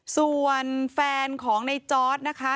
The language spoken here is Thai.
ส่วนแฟนของในจอร์ดนะคะ